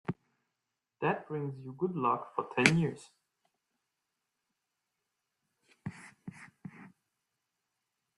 That brings you good luck for ten years.